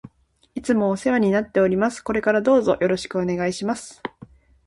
いつもお世話になっております。これからどうぞよろしくお願いします。